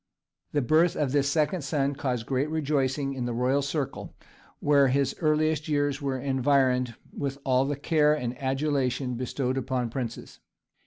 The birth of this second son caused great rejoicings in the royal circle, where his earliest years were environed with all the care and adulation bestowed upon princes.